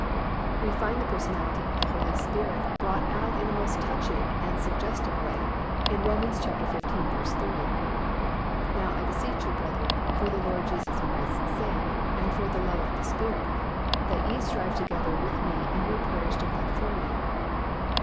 We find the personality of the Holy Spirit brought out in a most touching and suggestive way in Rom. xv. 30, "Now I beseech you, brethren, for the Lord Jesus Christ's sake, and for the love of the Spirit, that ye strive together with me in your prayers to God for me."